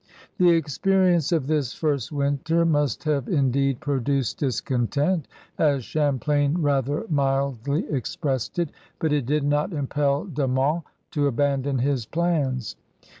The experience of this first winter must have indeed '* produced discontent,'' as Champlain rather mildly expressed it, but it did not impel De Monts to abandon his plans.